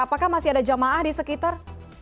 apakah masih ada jamaah di sekitar